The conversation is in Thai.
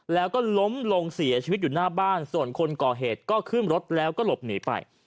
แล้วก็ล้มลงเสียชีวิตอยู่หน้าบ้านส่วนคนก่อเหตุก็ขึ้นรถแล้วก็หลบหนีไป